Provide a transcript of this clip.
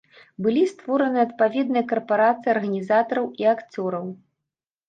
Былі створаныя адпаведныя карпарацыі арганізатараў і акцёраў.